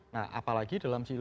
nah apalagi dalam